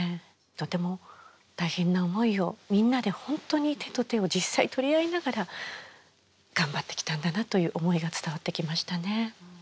とても大変な思いをみんなで本当に手と手を実際取り合いながら頑張ってきたんだなという思いが伝わってきましたね。